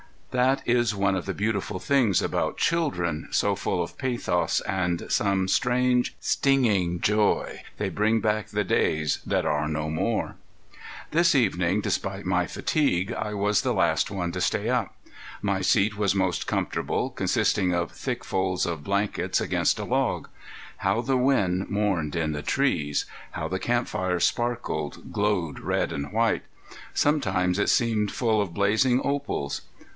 That is one of the beautiful things about children, so full of pathos and some strange, stinging joy they bring back the days that are no more. This evening, despite my fatigue, I was the last one to stay up. My seat was most comfortable, consisting of thick folds of blankets against a log. How the wind mourned in the trees! How the camp fire sparkled, glowed red and white! Sometimes it seemed full of blazing opals.